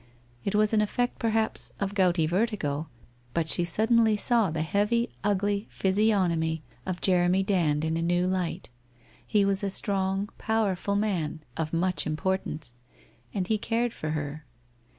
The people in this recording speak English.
It was an effect perhaps of gouty vertigo, but she suddenly saw the heavy ugly physiognomy of Jeremy Dand in ;i new light. He was a strong, powerful man of much importance, and he cared for her.